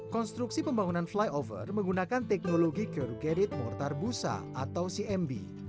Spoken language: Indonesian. konstruksi pembangunan flyover menggunakan teknologi car gadit mortar busa atau cmb